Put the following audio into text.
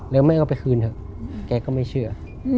แล้วแม่ก็ไปคืนเถอะแกก็ไม่เชื่อ